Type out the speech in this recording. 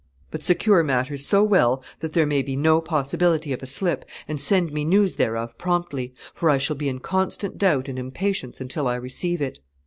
But secure matters so well that there may be no possibility of a slip, and send me news thereof promptly, for I shall be in constant doubt and impatience until I receive it.